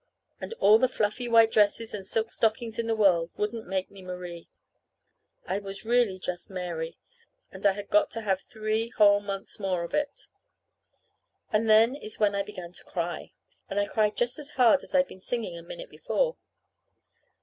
And all the fluffy white dresses and silk stockings in the world wouldn't make me Marie. I was really just Mary, and I had got to have three whole months more of it. And then is when I began to cry. And I cried just as hard as I'd been singing a minute before.